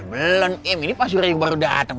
belum ini pas hary baru dateng